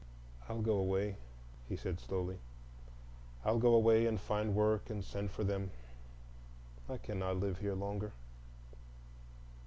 "I'll go away," he said slowly; "I'll go away and find work, and send for them. I cannot live here longer."